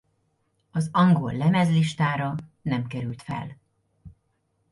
Az Angol lemez listára nem került fel.